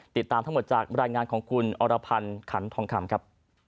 ติดตามทั้งหมดจากรายงานของคุณอรพันธ์ขันทองคำครับ